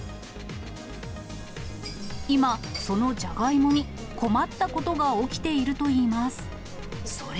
今、そのジャガイモに困ったことが起きているといいます。